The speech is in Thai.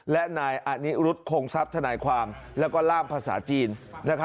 และนายอนิรุธคงทรัพย์ธนายความแล้วก็ล่ามภาษาจีน